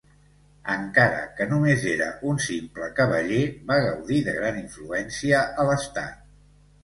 Encara que només era un simple cavaller va gaudir de gran influència a l'estat.